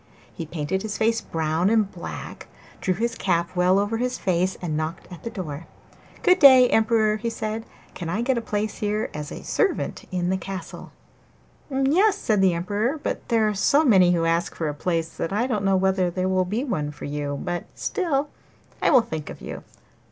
He painted his face brown and black, drew his cap well over his face, and knocked at the door. 'Good day, Emperor,' he said. 'Can I get a place here as servant in the castle?' 'Yes,' said the Emperor, 'but there are so many who ask for a place that I don't know whether there will be one for you; but, still, I will think of you.